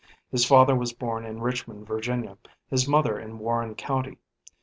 His father was born in Richmond, Virginia, his mother in Warren County.